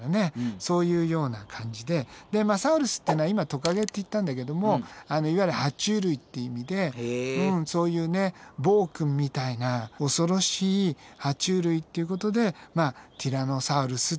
そういうような感じでサウルスっていうのは今トカゲって言ったんだけどもいわゆるは虫類って意味でそういうね暴君みたいな恐ろしいは虫類っていうことでまあティラノサウルスっていう名前がね